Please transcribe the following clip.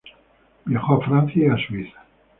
Viajó a Francia y a Suiza.